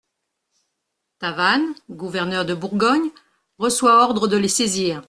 Tavannes, gouverneur de Bourgogne, reçoit ordre de les saisir.